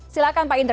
silakan pak indra